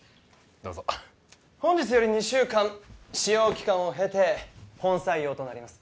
どうぞ本日より二週間試用期間をへて本採用となります